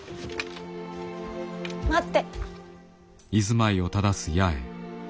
待って。